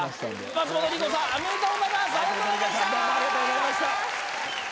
松本梨香さんありがとうございました！